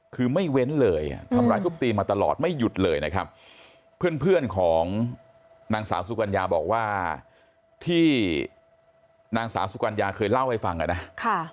คือไม่เว้นเลยอ่ะทำร้ายทุบตีมาตลอดไม่หยุดเลยนะครับเพื่อนเพื่อนของนางสาวสุกัญญาบอกว่าที่นางสาวสุกัญญาเคยเล่าให้ฟังอ่ะนะ